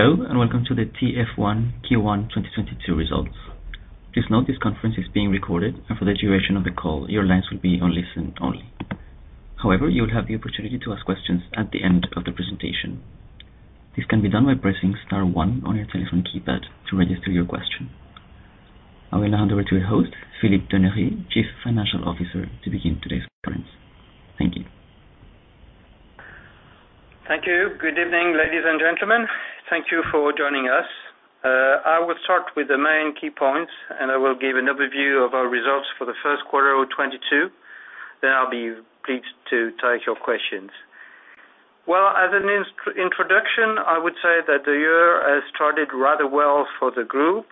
Hello, and Welcome to the TF1 Q1 2022 Results. Please note this conference is being recorded, and for the duration of the call, your lines will be on listen only. However, you will have the opportunity to ask questions at the end of the presentation. This can be done by pressing star one on your telephone keypad to register your question. I will hand over to our host, Philippe Denery, Chief Financial Officer, to begin today's conference. Thank you. Thank you. Good evening, ladies and gentlemen. Thank you for joining us. I will start with the main key points, and I will give an overview of our results for the Q1 of 2022. Then I'll be pleased to take your questions. Well, as an introduction, I would say that the year has started rather well for the group.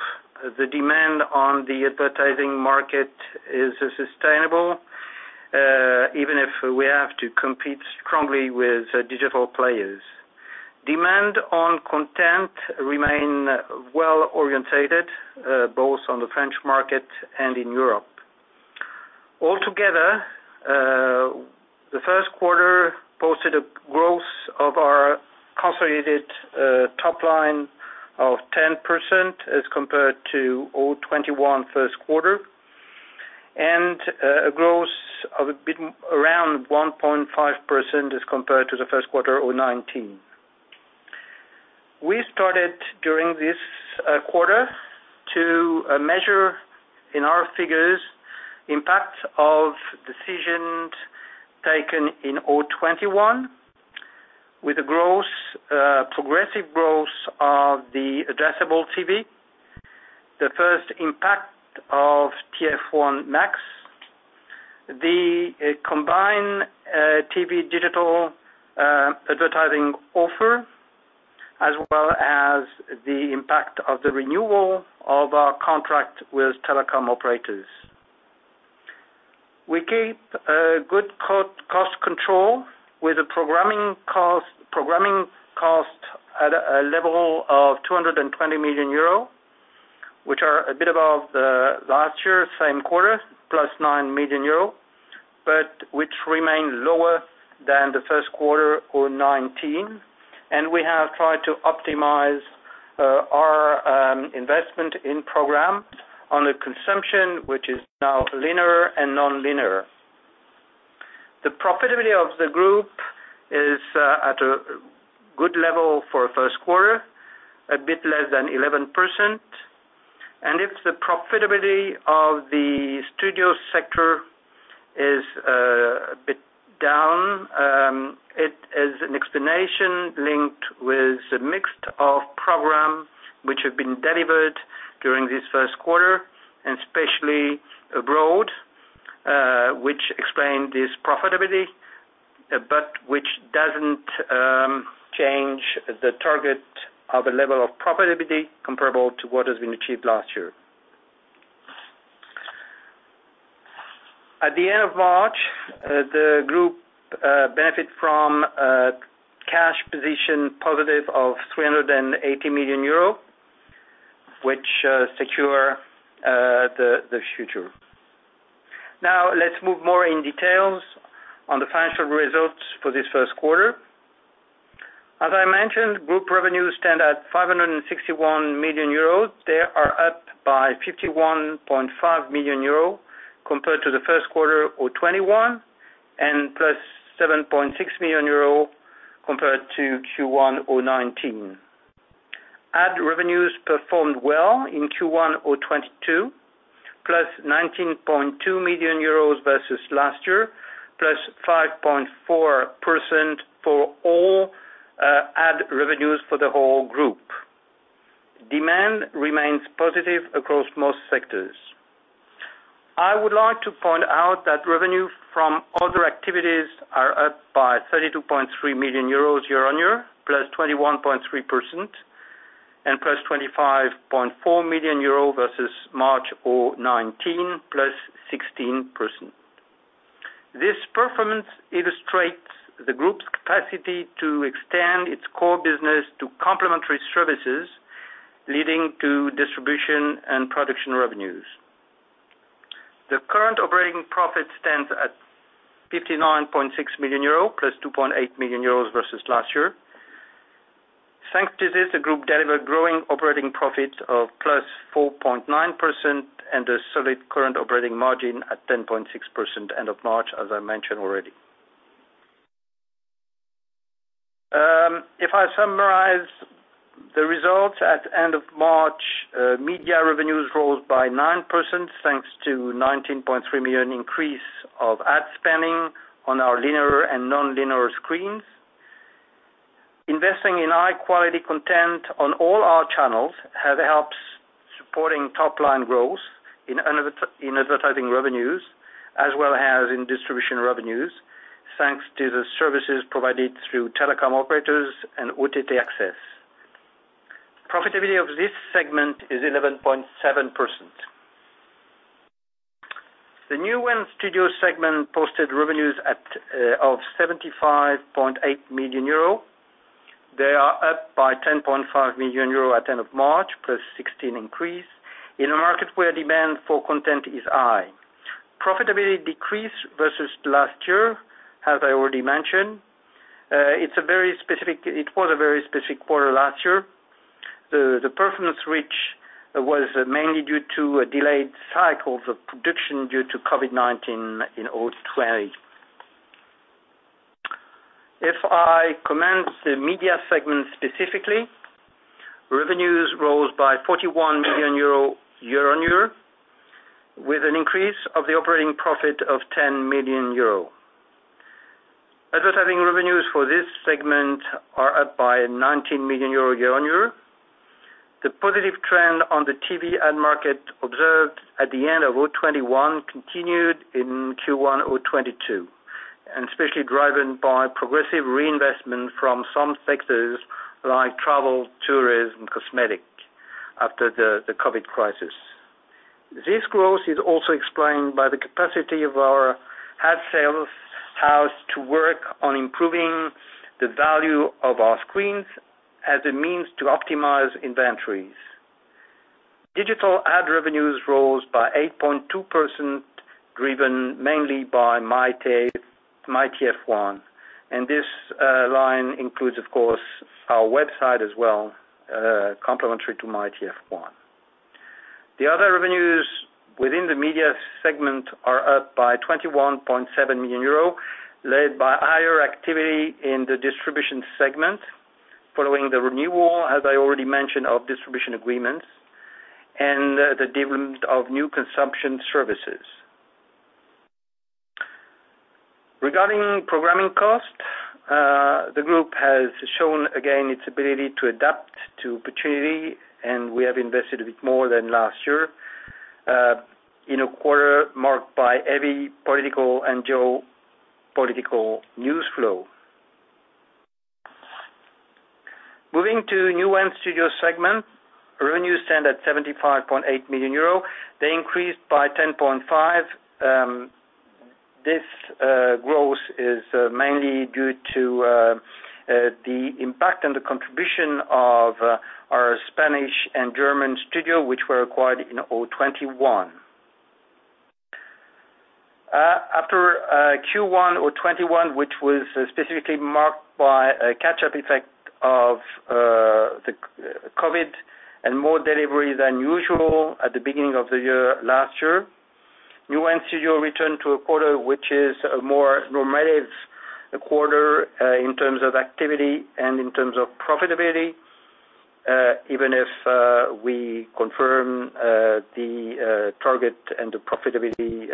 The demand on the advertising market is sustainable, even if we have to compete strongly with digital players. Demand on content remain well-orientated, both on the French market and in Europe. All together, the Q1 posted a growth of our consolidated top line of 10% as compared to Q1 2021 Q1, and a growth of a bit around 1.5% as compared to the Q1 2019. We started during this quarter to measure in our figures impact of decisions taken in 2021 with a growth, progressive growth of the addressable TV, the first impact of MYTF1 MAX, the combined, TV digital, advertising offer, as well as the impact of the renewal of our contract with telecom operators. We keep a good cost control with the programming cost at a level of 220 million euro, which are a bit above the last year, same quarter, + 9 million euro, but which remains lower than the Q1 2019. We have tried to optimize our investment in programs on a consumption which is now linear and nonlinear. The profitability of the group is at a good level for Q1 a bit less than 11%. If the profitability of the studio sector is a bit down, it is an explanation linked with the mix of program which have been delivered during this Q1, and especially abroad, which explain this profitability, but which doesn't change the target of a level of profitability comparable to what has been achieved last year. At the end of March, the group benefit from a cash position positive of 380 million euro, which secure the future. Now, let's move more in details on the financial results for this Q1. As I mentioned, group revenues stand at 561 million euros. They are up by 51.5 million euros compared to the Q1 2021, and plus 7.6 million euros compared to Q1 2019. Ad revenues performed well in Q1 2022, +EUR 19.2 million versus last year, +5.4% for all ad revenues for the whole group. Demand remains positive across most sectors. I would like to point out that revenue from other activities are up by 32.3 million euros year-on-year, +21.3%, and +25.4 million euro versus March 2019, +16%. This performance illustrates the group's capacity to extend its core business to complementary services, leading to distribution and production revenues. The current operating profit stands at 59.6 million euro +2.8 million euros versus last year. Thanks to this, the group delivered growing operating profit of +4.9% and a solid current operating margin at 10.6% end of March, as I mentioned already. If I summarize the results at end of March, media revenues rose by 9%, thanks to 19.3 million increase of ad spending on our linear and nonlinear screens. Investing in high-quality content on all our channels has helped supporting top-line growth in advertising revenues, as well as in distribution revenues, thanks to the services provided through telecom operators and OTT Access. Profitability of this segment is 11.7%. The Newen Studios segment posted revenues of 75.8 million euro. They are up by 10.5 million euro at end of March, plus 16% increase in a market where demand for content is high. Profitability decreased versus last year, as I already mentioned. It was a very specific quarter last year. The performance which was mainly due to a delayed cycle of production due to COVID-19 in 2020. If I commence the media segment specifically, revenues rose by 41 million euro year-on-year, with an increase of the operating profit of 10 million euro. Advertising revenues for this segment are up by 19 million euro year-on-year. The positive trend on the TV ad market observed at the end of 2021 continued in Q1 2022, and especially driven by progressive reinvestment from some sectors like travel, tourism, cosmetics after the COVID crisis. This growth is also explained by the capacity of our ad sales house to work on improving the value of our screens as a means to optimize inventories. Digital ad revenues rose by 8.2%, driven mainly by MyTF1. This line includes of course, our website as well, complementary to MyTF1. The other revenues within the media segment are up by 21.7 million euro, led by higher activity in the distribution segment following the renewal, as I already mentioned, of distribution agreements and the development of new consumption services. Regarding programming cost, the group has shown again its ability to adapt to opportunity, and we have invested a bit more than last year, in a quarter marked by heavy political and geo-political news flow. Moving to Newen Studios segment, revenue stand at 75.8 million euro. They increased by 10.5%. This growth is mainly due to the impact and the contribution of our Spanish and German studio, which were acquired in 2021. After Q1 2021, which was specifically marked by a catch-up effect of the COVID and more delivery than usual at the beginning of the year, last year. Newen Studios returned to a quarter, which is a more normative quarter in terms of activity and in terms of profitability, even if we confirm the target and the profitability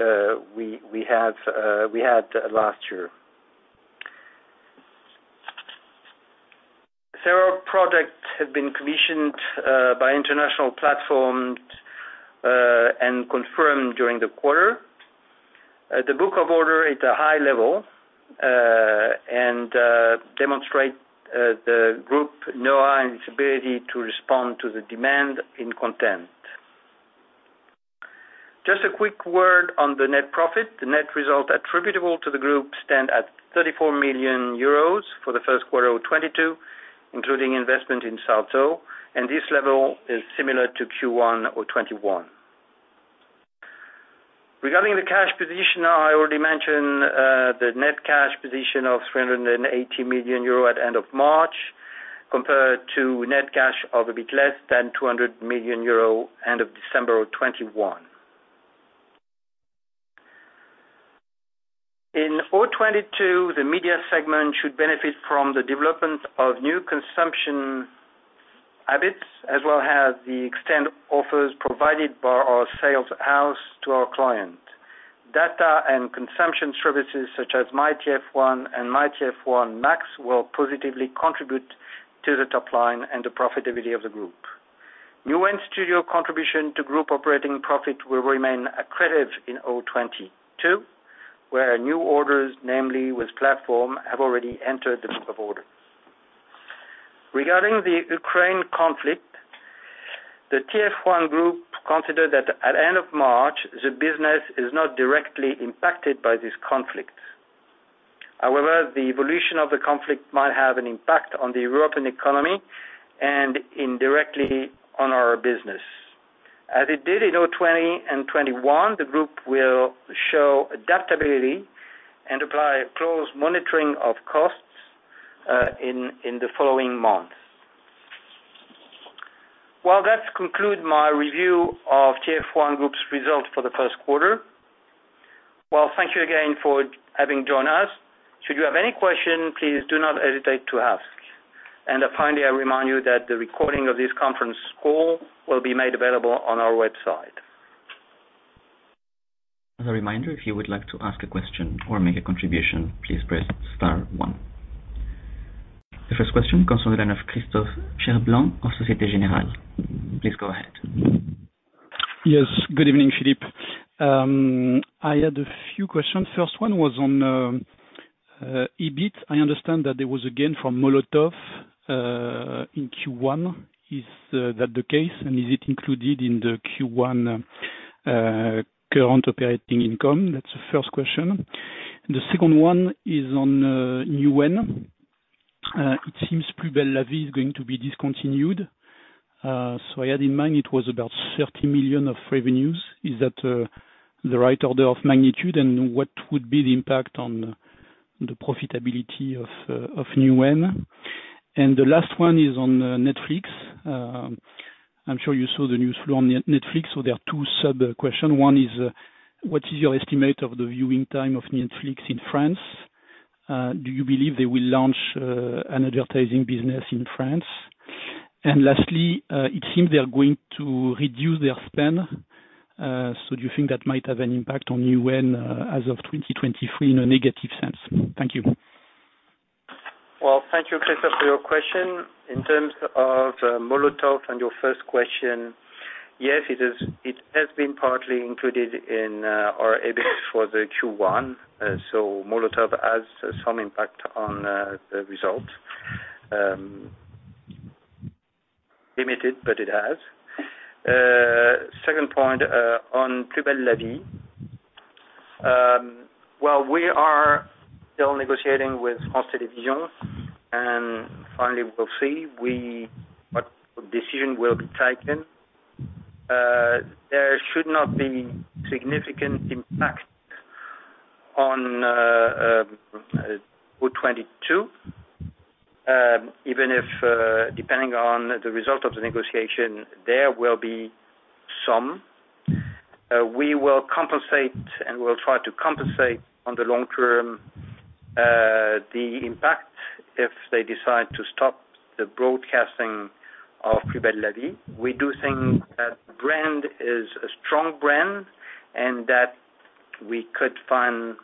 we had last year. Several products have been commissioned by international platforms and confirmed during the quarter. The order book is at a high level and demonstrates the group know-how and its ability to respond to the demand in content. Just a quick word on the net profit. The net result attributable to the group stand at 34 million euros for the Q1 of 2022, including investment in Salto, and this level is similar to Q1 of 2021. Regarding the cash position, I already mentioned the net cash position of 380 million euro at end of March, compared to net cash of a bit less than 200 million euro end of December of 2021. In 2022, the media segment should benefit from the development of new consumption habits, as well as the extended offers provided by our sales house to our client. Data and consumption services such as MyTF1 and MYTF1 Max will positively contribute to the top line and the profitability of the group. Newen Studios contribution to group operating profit will remain accretive in 2022, where new orders, namely with platforms, have already entered the order book. Regarding the Ukraine conflict, the TF1 Group considered that at end of March, the business is not directly impacted by this conflict. However, the evolution of the conflict might have an impact on the European economy and indirectly on our business. As it did in 2020 and 2021, the group will show adaptability and apply close monitoring of costs in the following months. Well, that conclude my review of TF1 Group's results for the Q1. Well, thank you again for having joined us. Should you have any question, please do not hesitate to ask. Finally, I remind you that the recording of this conference call will be made available on our website. As a reminder, if you would like to ask a question or make a contribution, please press star one. The first question comes on the line of Christophe Cherblanc of Société Générale. Please go ahead. Yes. Good evening, Philippe. I had a few questions. First one was on EBIT. I understand that there was a gain from Molotov in Q1. Is that the case, and is it included in the Q1 current operating income? That's the first question. The second one is on Newen. It seems Plus belle la vie is going to be discontinued. So I had in mind it was about 30 million of revenues. Is that the right order of magnitude? And what would be the impact on the profitability of Newen? And the last one is on Netflix. I'm sure you saw the news flow on Netflix. There are two sub-questions. One is what is your estimate of the viewing time of Netflix in France? Do you believe they will launch an advertising business in France? Lastly, it seems they are going to reduce their spend, so do you think that might have an impact on Newen as of 2023 in a negative sense? Thank you. Well, thank you, Christophe, for your question. In terms of Molotov and your first question, yes, it is, it has been partly included in our EBIT for the Q1. Molotov has some impact on the result, limited, but it has. Second point, on Plus belle la vie. Well, we are still negotiating with France Télévisions, and finally, we'll see what decision will be taken. There should not be significant impact on 2022, even if, depending on the result of the negotiation, there will be some. We will compensate, and we'll try to compensate on the long term, the impact if they decide to stop the broadcasting of Plus belle la vie. We do think that brand is a strong brand and that we could find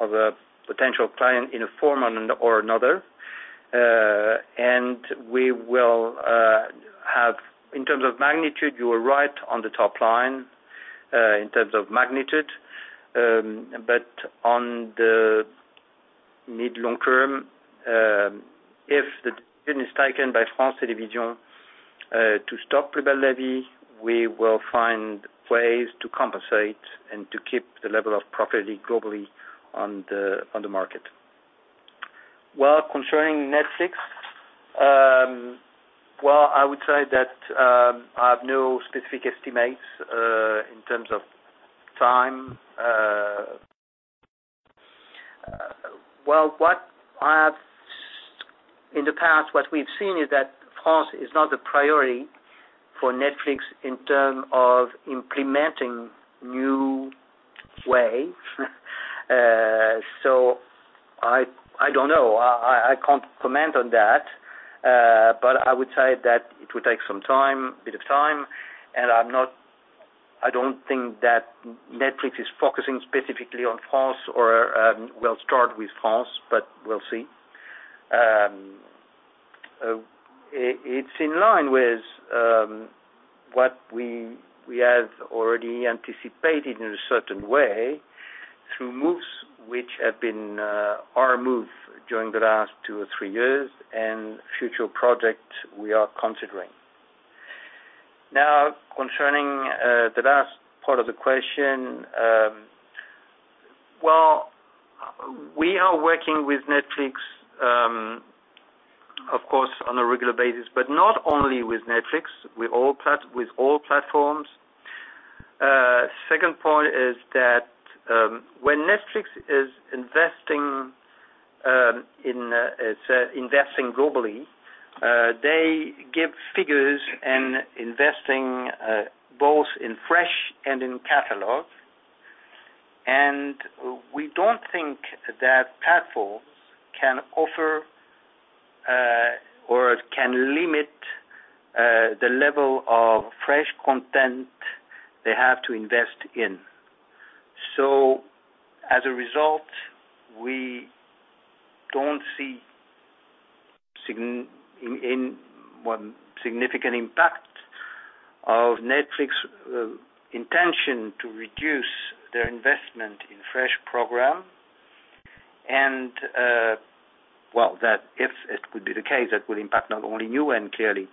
other potential client in a form or another. In terms of magnitude, you are right on the top line, in terms of magnitude. But on the mid long term, if the decision is taken by France Télévisions to stop Plus belle la vie, we will find ways to compensate and to keep the level of profitability globally on the market. Well, concerning Netflix, well, I would say that I have no specific estimates in terms of time. In the past, what we've seen is that France is not a priority for Netflix in terms of implementing new ways. I don't know. I can't comment on that, but I would say that it would take some time, bit of time, and I don't think that Netflix is focusing specifically on France or will start with France, but we'll see. It's in line with what we have already anticipated in a certain way through moves which have been our move during the last two or three years and future projects we are considering. Now concerning the last part of the question, well, we are working with Netflix, of course, on a regular basis, but not only with Netflix, with all platforms. Second point is that when Netflix is investing in let's say investing globally, they give figures and investing both in fresh and in catalog. We don't think that platforms can offer or can limit the level of fresh content they have to invest in. As a result, we don't see significant impact of Netflix's intention to reduce their investment in fresh programming. That if it would be the case, that would impact not only Newen clearly,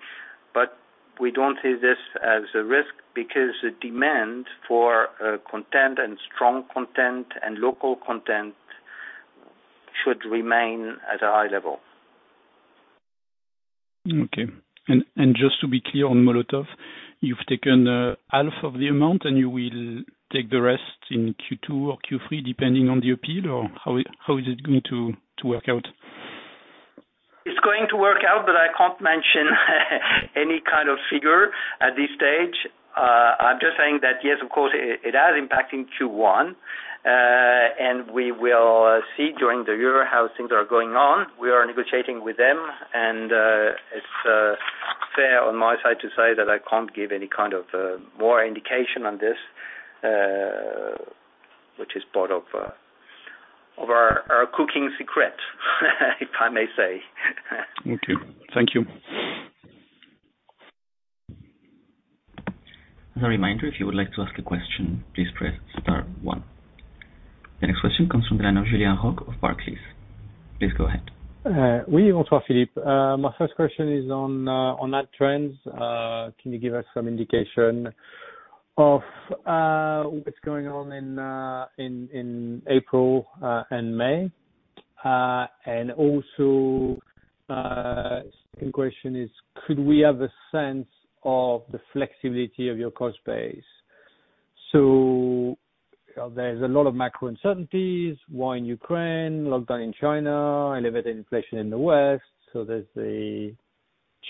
but we don't see this as a risk because the demand for content and strong content and local content should remain at a high level. Just to be clear on Molotov, you've taken half of the amount and you will take the rest in Q2 or Q3, depending on the appeal or how it is going to work out? It's going to work out, but I can't mention any kind of figure at this stage. I'm just saying that, yes, of course, it has impact in Q1. We will see during the year how things are going on. We are negotiating with them, and it's fair on my side to say that I can't give any kind of more indication on this, which is part of our cooking secret, if I may say. Okay. Thank you. As a reminder, if you would like to ask a question, please press star one. The next question comes from Julien Roch of Barclays. Please go ahead. Oui, bonsoir, Philippe. My first question is on ad trends. Can you give us some indication of what's going on in April and May. Second question is, could we have a sense of the flexibility of your cost base? There's a lot of macro uncertainties, war in Ukraine, lockdown in China, elevated inflation in the West. There's a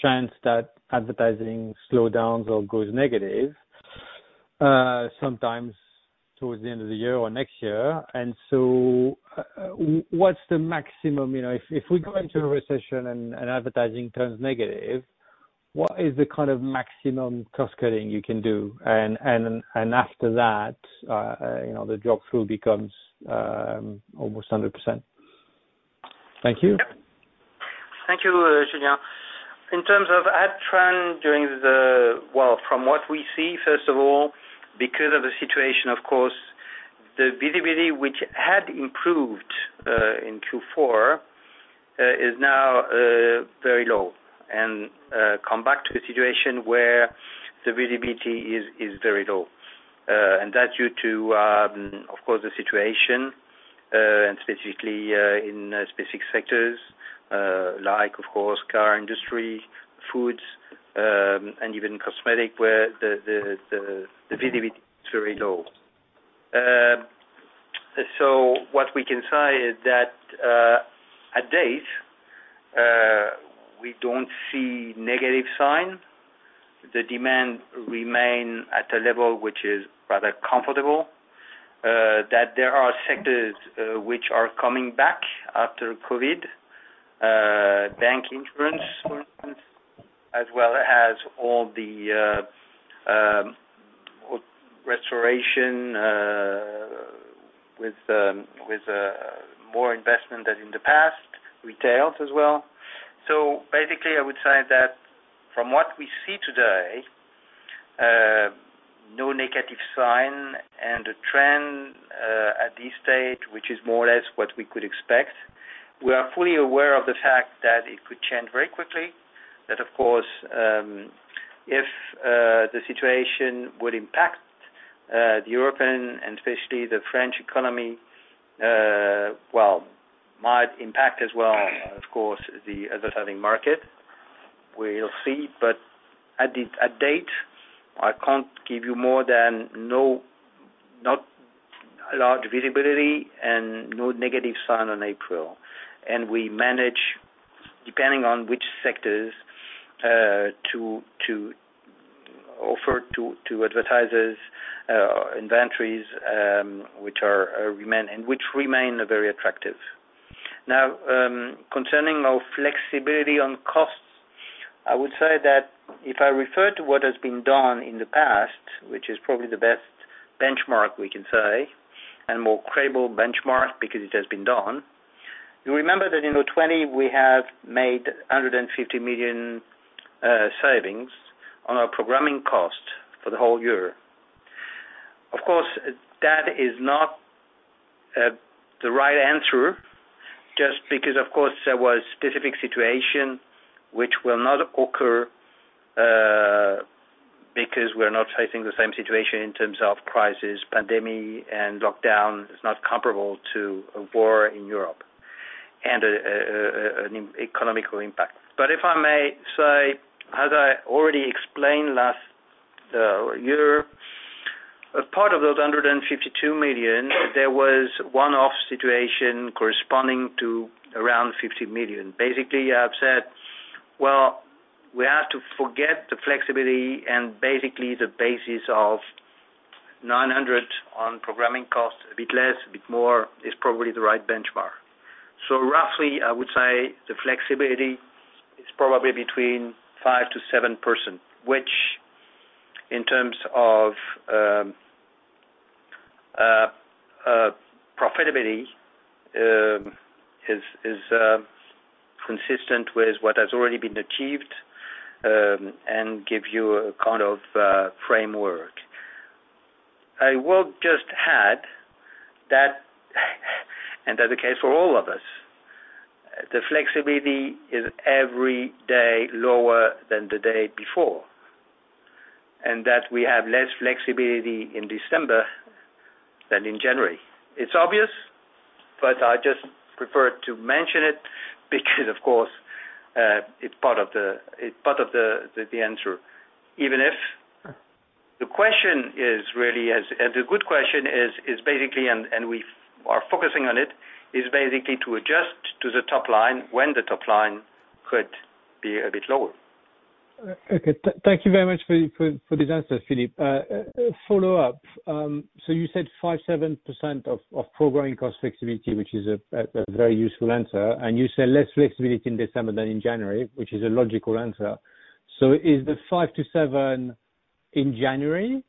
chance that advertising slows down or goes negative, sometimes towards the end of the year or next year. What's the maximum, you know, if we go into a recession and advertising turns negative, what is the kind of maximum cost-cutting you can do? And after that, you know, the drop through becomes almost 100%. Thank you. Thank you, Julien. In terms of ad trend. Well, from what we see, first of all, because of the situation of course, the visibility which had improved in Q4 is now very low and come back to a situation where the visibility is very low. That's due to, of course, the situation and specifically in specific sectors like, of course, car industry, food and even cosmetics where the visibility is very low. What we can say is that to date we don't see negative sign. The demand remain at a level which is rather comfortable, that there are sectors which are coming back after COVID, bank insurance for instance, as well as all the restoration with more investment than in the past, retails as well. Basically, I would say that from what we see today, no negative sign and a trend at this stage, which is more or less what we could expect. We are fully aware of the fact that it could change very quickly. That of course, if the situation would impact the European and especially the French economy, well, might impact as well, of course, the advertising market. We'll see. At that date, I can't give you more than not large visibility and no negative sign on April. We manage, depending on which sectors, to offer to advertisers inventories which remain very attractive. Now, concerning our flexibility on costs, I would say that if I refer to what has been done in the past, which is probably the best benchmark we can say, and more credible benchmark because it has been done. You remember that in 2020 we have made 150 million savings on our programming cost for the whole year. Of course, that is not the right answer, just because of course, there was specific situation which will not occur, because we're not facing the same situation in terms of crisis, pandemic and lockdown. It's not comparable to a war in Europe and an economic impact. If I may say, as I already explained last year, as part of those 152 million, there was one-off situation corresponding to around 50 million. Basically, I've said, well, we have to forget the flexibility and basically the basis of 900 on programming costs, a bit less, a bit more is probably the right benchmark. Roughly, I would say the flexibility is probably between 5%-7%, which in terms of profitability is consistent with what has already been achieved and give you a kind of framework. I will just add that, and that's the case for all of us, the flexibility is every day lower than the day before, and that we have less flexibility in December than in January. It's obvious, but I just prefer to mention it because of course, it's part of the answer. Even if the question is really and the good question is basically and we are focusing on it, is basically to adjust to the top line when the top line could be a bit lower. Okay. Thank you very much for this answer, Philippe. Follow-up. You said 5-7% of programming cost flexibility, which is a very useful answer. You said less flexibility in December than in January, which is a logical answer. Is the 5-7% in January,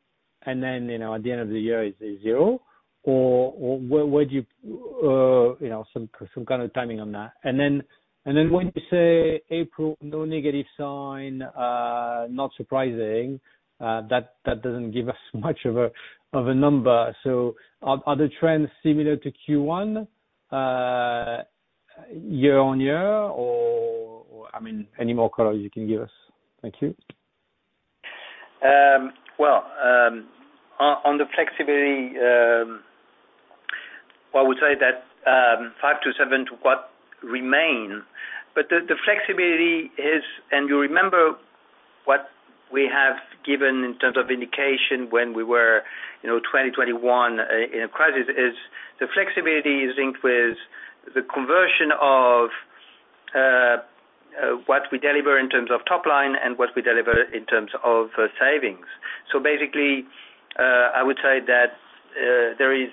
and then, you know, at the end of the year is zero? Or where would you know, some kind of timing on that. Then when you say April, no negative sign, not surprising, that doesn't give us much of a number. Are the trends similar to Q1 year-on-year or- I mean, any more color you can give us. Thank you. Well, on the flexibility, I would say that 5-7 to what remains, but the flexibility is. You remember what we have given in terms of indication when we were, you know, 2021 in a crisis. The flexibility is linked with the conversion of what we deliver in terms of top line and what we deliver in terms of savings. Basically, I would say that there is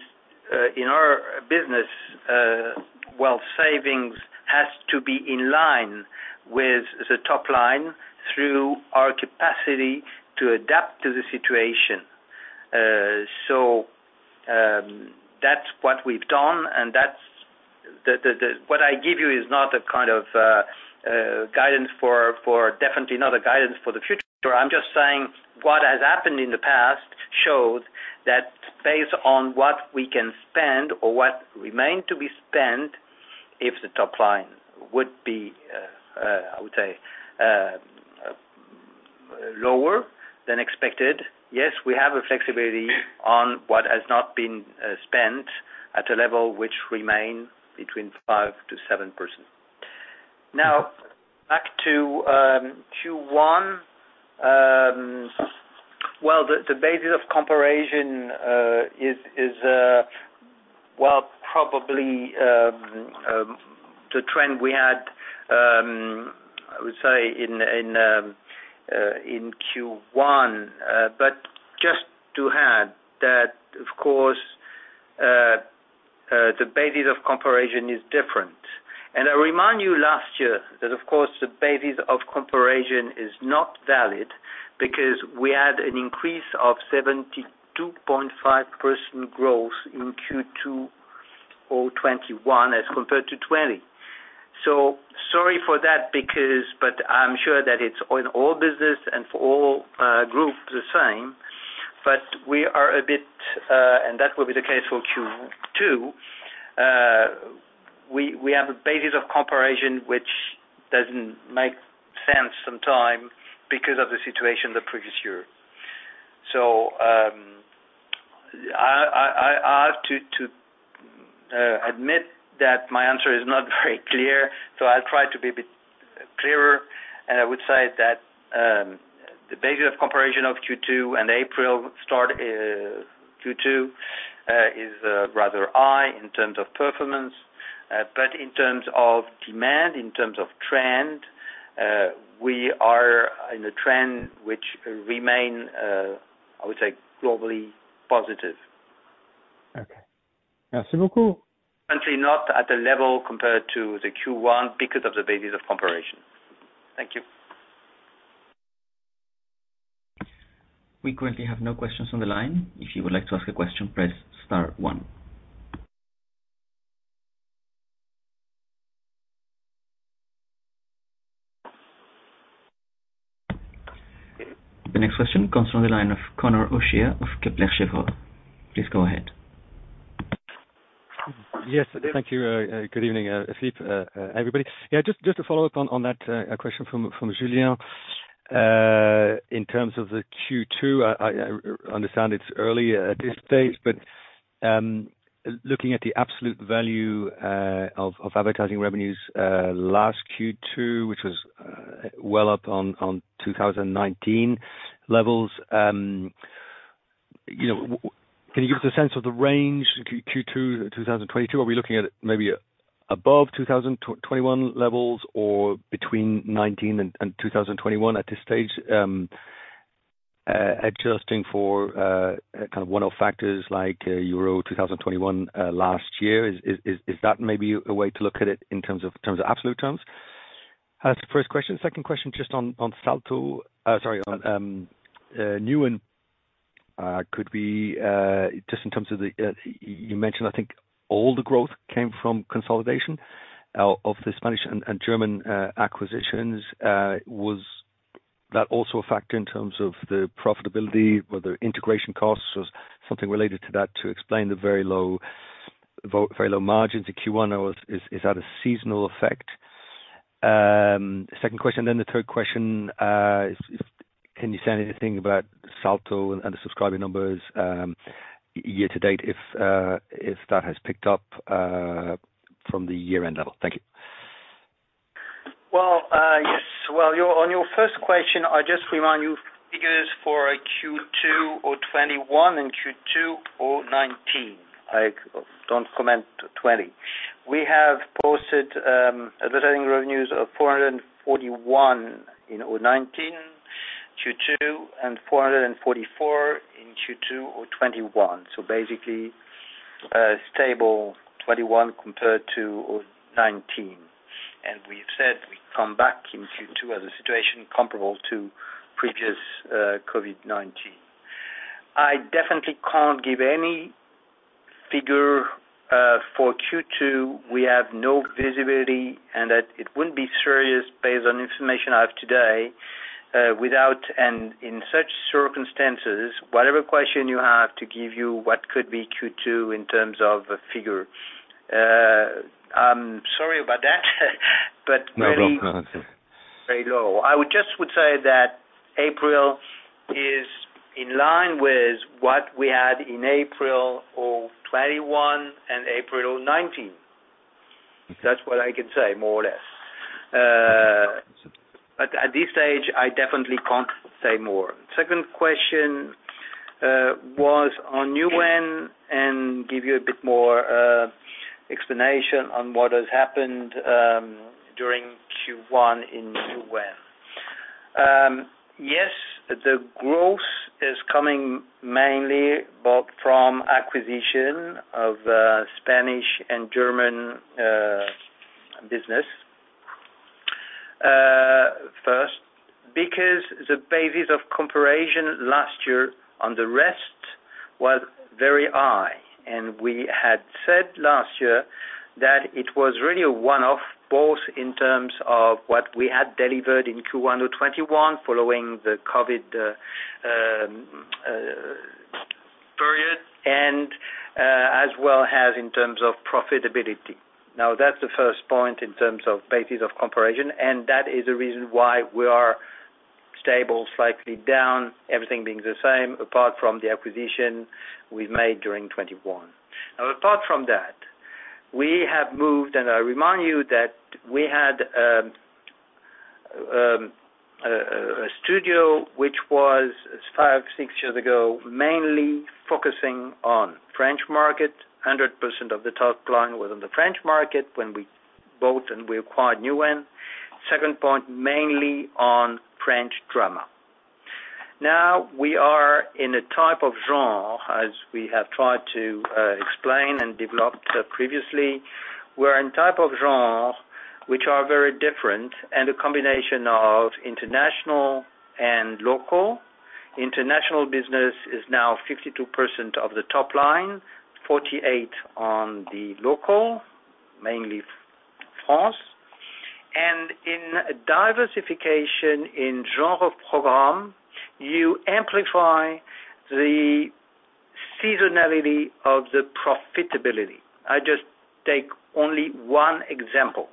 in our business, the savings has to be in line with the top line through our capacity to adapt to the situation. That's what we've done, and that's what I give you is not a kind of guidance, definitely not a guidance for the future. I'm just saying what has happened in the past shows that based on what we can spend or what remain to be spent, if the top line would be, I would say, lower than expected. Yes, we have a flexibility on what has not been spent at a level which remain between 5%-7%. Now back to Q1. Well, the basis of comparison is, well, probably the trend we had, I would say in Q1. But just to add that, of course, the basis of comparison is different. I remind you last year that, of course, the basis of comparison is not valid because we had an increase of 72.5% growth in Q2 2021 as compared to 2020. Sorry for that because I'm sure that it's on all business and for all group the same, but we are a bit and that will be the case for Q2. We have a basis of comparison, which doesn't make sense sometimes because of the situation the previous year. I have to admit that my answer is not very clear, so I'll try to be a bit clearer. I would say that the basis of comparison of Q2 and April start Q2 is rather high in terms of performance. But in terms of demand, in terms of trend, we are in a trend which remain, I would say globally positive. Okay. Merci beaucoup. Currently not at a level compared to the Q1 because of the basis of comparison. Thank you. We currently have no questions on the line. If you would like to ask a question, press star one. The next question comes from the line of Conor O'Shea of Kepler Cheuvreux. Please go ahead. Yes, thank you. Good evening, Philippe, everybody. Yeah, just to follow up on that question from Julien. In terms of the Q2, I understand it's early at this stage, but looking at the absolute value of advertising revenues, last Q2, which was well up on 2019 levels, you know, can you give us a sense of the range Q2 2022? Are we looking at maybe above 2021 levels or between 2019 and 2021 at this stage, adjusting for kind of one-off factors like Euro 2020 last year? Is that maybe a way to look at it in terms of absolute terms? That's the first question. Second question, just on Salto. Sorry, on Newen. Could you just in terms of the, you mentioned I think all the growth came from consolidation of the Spanish and German acquisitions. Was that also a factor in terms of the profitability, were there integration costs or something related to that to explain the very low margins in Q1 or is that a seasonal effect? Second question, then the third question is can you say anything about Salto and the subscriber numbers year to date if that has picked up from the year-end level? Thank you. Well, yes. Well, on your first question, I just remind you figures for Q2 2021 and Q2 2019. I don't comment on 2020. We have posted advertising revenues of 441 million in 2019 Q2, and 444 million in Q2 2021. So basically, stable 2021 compared to 2019. We've said we come back in Q2 as a situation comparable to pre-COVID-19. I definitely can't give any figure for Q2. We have no visibility, and it wouldn't be serious based on information I have today. Without and in such circumstances, whatever question you have to give you what could be Q2 in terms of figure. I'm sorry about that, but very. No problem. Very low. I would just say that April is in line with what we had in April of 2021 and April 2019. That's what I can say more or less. At this stage, I definitely can't say more. Second question was on Newen and give you a bit more explanation on what has happened during Q1 in Newen. Yes, the growth is coming mainly both from acquisition of Spanish and German business. First, because the basis of comparison last year on the rest was very high, and we had said last year that it was really a one-off, both in terms of what we had delivered in Q1 of 2021 following the COVID period and as well as in terms of profitability. Now, that's the first point in terms of basis of comparison, and that is the reason why we are stable, slightly down, everything being the same apart from the acquisition we made during 2021. Now, apart from that, we have moved, and I remind you that we had a studio which was five, six years ago, mainly focusing on French market. Hundred percent of the top line was on the French market when we acquired Newen. Second point, mainly on French drama. Now we are in a type of genre, as we have tried to explain and develop previously. We're in type of genre which are very different, and a combination of international and local. International business is now 52% of the top line, 48% on the local, mainly France. In diversification in genre program, you amplify the seasonality of the profitability. I just take only one example.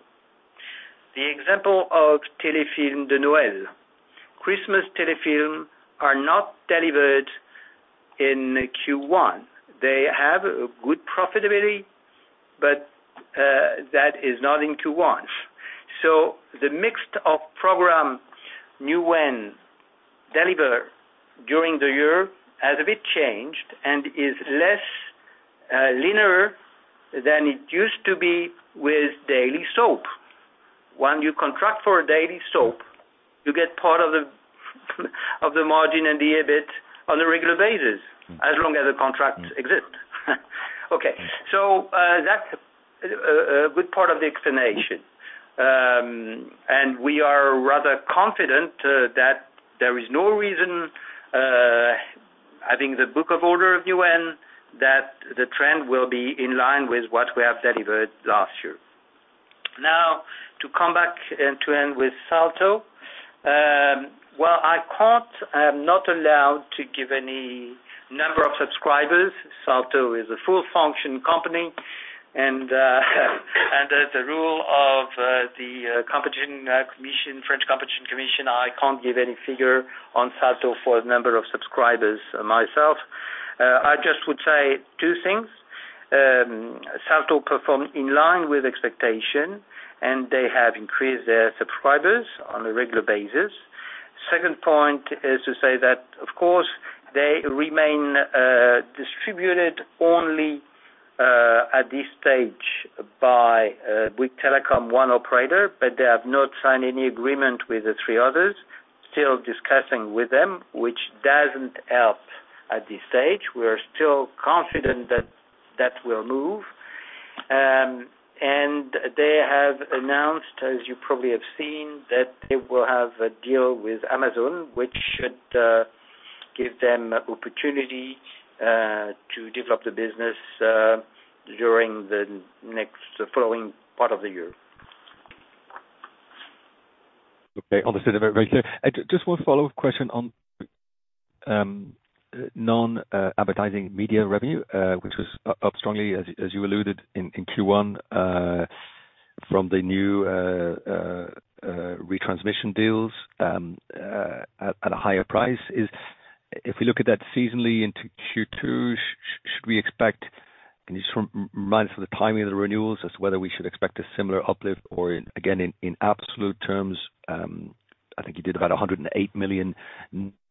The example of Téléfilm de Noël. Christmas Téléfilm are not delivered in Q1. They have good profitability, but that is not in Q1. The mix of program Newen deliver during the year has a bit changed and is less linear than it used to be with daily soap. When you contract for a daily soap, you get part of the margin and the EBIT on a regular basis as long as the contract exists. That's a good part of the explanation. We are rather confident that there is no reason, having the order book of Newen, that the trend will be in line with what we have delivered last year. To come back and to end with Salto. Well, I can't. I'm not allowed to give any number of subscribers. Salto is a full function company, and as a rule of the Autorité de la concurrence, I can't give any figure on Salto for the number of subscribers myself. I just would say two things. Salto performed in line with expectation, and they have increased their subscribers on a regular basis. Second point is to say that, of course, they remain distributed only at this stage by one telecom operator, but they have not signed any agreement with the three others, still discussing with them, which doesn't help at this stage. We are still confident that will move. They have announced, as you probably have seen, that they will have a deal with Amazon, which should give them opportunity to develop the business during the next following part of the year. Okay. Understood. Very clear. Just one follow-up question on non-advertising media revenue, which was up strongly as you alluded in Q1 from the new retransmission deals at a higher price. If we look at that seasonally into Q2, should we expect, can you just remind for the timing of the renewals as to whether we should expect a similar uplift or again in absolute terms, I think you did about 108 million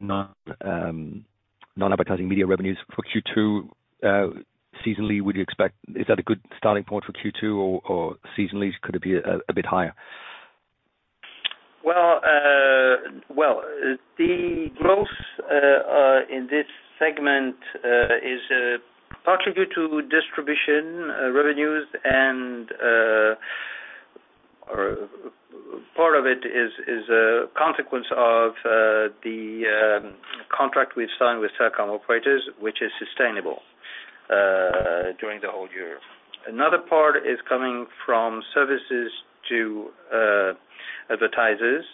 non-advertising media revenues for Q2. Seasonally, would you expect. Is that a good starting point for Q2 or seasonally could it be a bit higher? Well, the growth in this segment is partly due to distribution revenues and, or part of it is a consequence of the contract we've signed with telecom operators, which is sustainable during the whole year. Another part is coming from services to advertisers,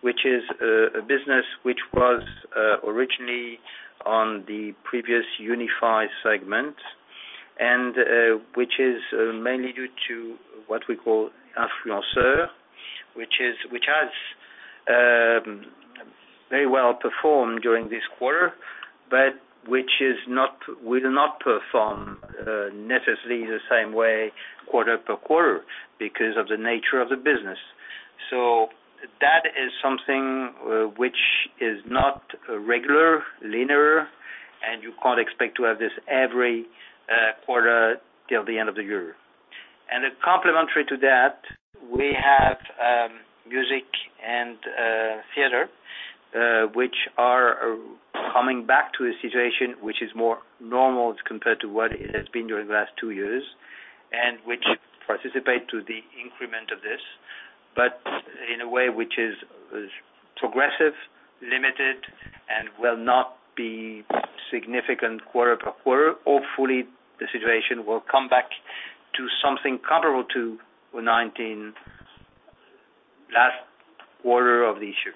which is a business which was originally on the previous unified segment, and which is mainly due to what we call influencer, which has very well performed during this quarter, but which will not perform necessarily the same way quarter per quarter because of the nature of the business. That is something which is not regular, linear, and you can't expect to have this every quarter till the end of the year. Complementary to that, we have music and theater, which are coming back to a situation which is more normal compared to what it has been during the last two years, and which participate to the increment of this, but in a way which is progressive, limited, and will not be significant quarter per quarter. Hopefully, the situation will come back to something comparable to 2019, last quarter of the year.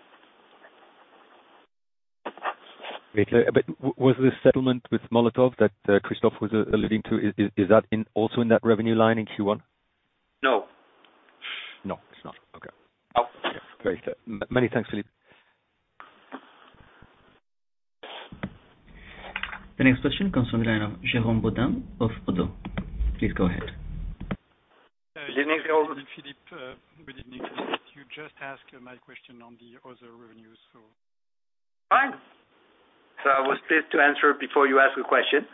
Was the settlement with Molotov that Christophe was alluding to also in that revenue line in Q1? No. No, it's not. Okay. No. Great. Many thanks, Philippe. The next question comes from the line of Jérôme Bodin of ODDO BHF. Please go ahead. Jérôme Philippe, good evening. You just asked my question on the other revenues, so. Fine. I was pleased to answer before you ask a question.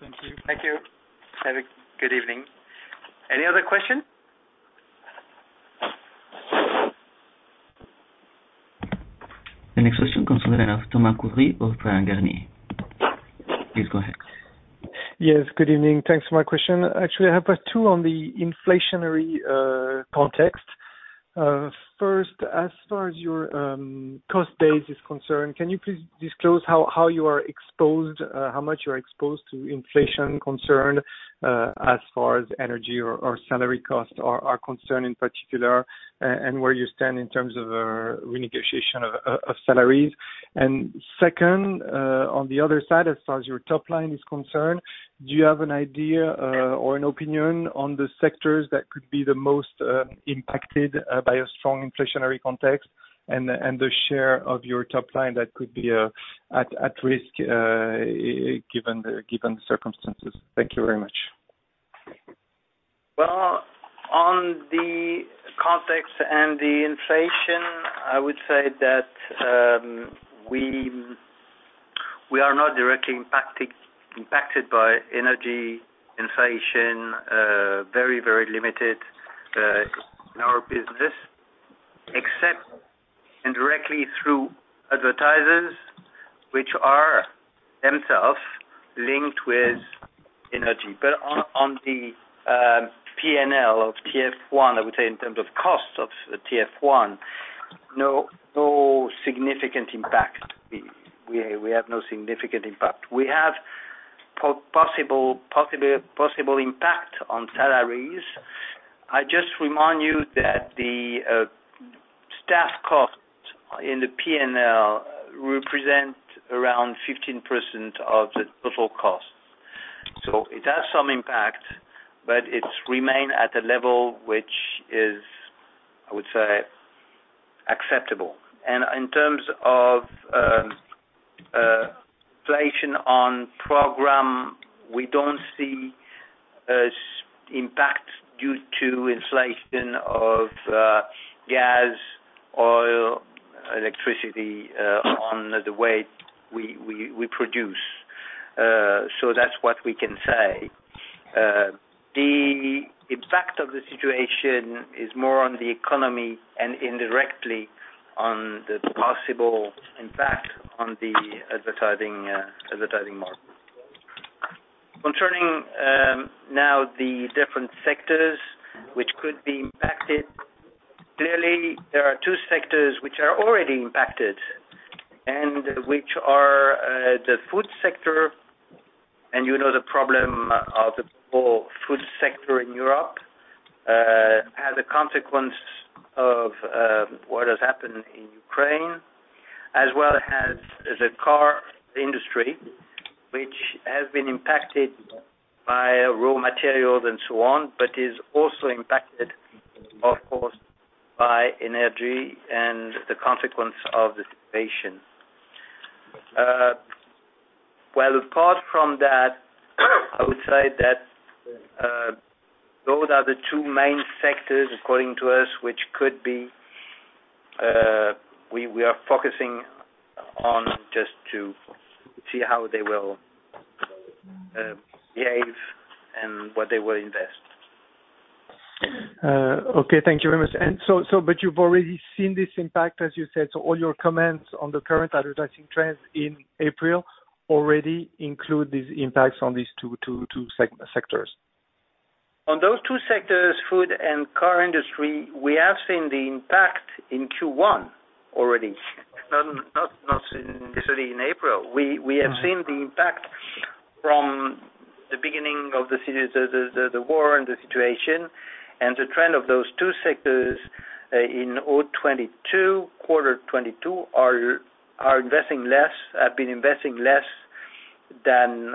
Thank you. Thank you. Have a good evening. Any other question? The next question comes from the line of Thomas Courbe. Please go ahead. Yes. Good evening. Thanks for my question. Actually, I have two on the inflationary context. First, as far as your cost base is concerned, can you please disclose how you are exposed, how much you are exposed to inflation concern, as far as energy or salary costs are concerned in particular, and where you stand in terms of renegotiation of salaries? Second, on the other side, as far as your top line is concerned, do you have an idea or an opinion on the sectors that could be the most impacted by a strong inflationary context and the share of your top line that could be at risk given the circumstances? Thank you very much. Well, on the context and the inflation, I would say that we are not directly impacted by energy inflation, very limited in our business, except indirectly through advertisers, which are themselves linked with energy. But on the P&L of TF1, I would say in terms of cost of TF1, no significant impact. We have no significant impact. We have possible impact on salaries. I just remind you that the staff cost in the P&L represent around 15% of the total cost. So it has some impact, but it remains at a level which is, I would say, acceptable. In terms of inflation on program, we don't see any impact due to inflation of gas, oil, electricity on the way we produce. That's what we can say. The impact of the situation is more on the economy and indirectly on the possible impact on the advertising market. Concerning now the different sectors which could be impacted, clearly there are two sectors which are already impacted and which are the food sector, and you know the problem of the whole food sector in Europe as a consequence of what has happened in Ukraine, as well as the car industry, which has been impacted by raw materials and so on, but is also impacted, of course, by energy and the consequence of the situation. Well, apart from that, I would say that those are the two main sectors according to us which could be. We are focusing on just to see how they will behave and what they will invest. Okay. Thank you very much. But you've already seen this impact, as you said. All your comments on the current advertising trends in April already include these impacts on these two sectors. On those two sectors, food and car industry, we have seen the impact in Q1 already. Not necessarily in April. We have seen the impact from the beginning of the war and the situation. The trend of those two sectors in 2022, quarter 2022 are investing less, have been investing less than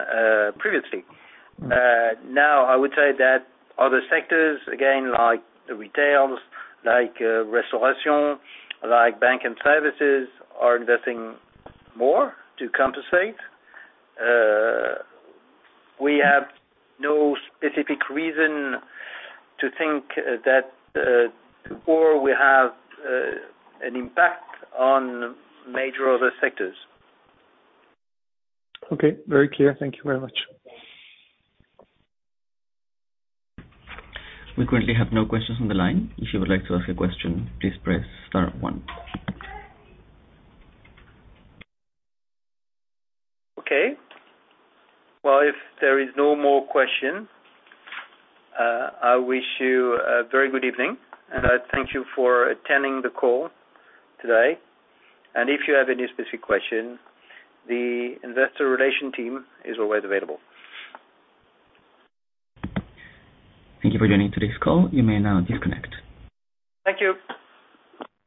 previously. Now I would say that other sectors, again, like retail, like restoration, like bank and services, are investing more to compensate. We have no specific reason to think that or we have an impact on major other sectors. Okay. Very clear. Thank you very much. We currently have no questions on the line. If you would like to ask a question, please press star one. Well, if there is no more question, I wish you a very good evening, and I thank you for attending the call today. If you have any specific question, the Investor Relations team is always available. Thank you for joining today's call. You may now disconnect. Thank you.